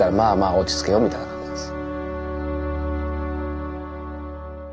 落ち着けよみたいな感じです。